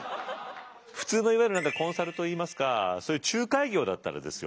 普通のいわゆるコンサルといいますかそういう仲介業だったらですよ